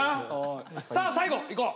さあ最後いこう。